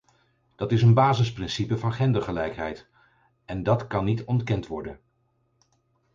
Dat is een basisprincipe van gendergelijkheid en dat kan niet ontkend worden!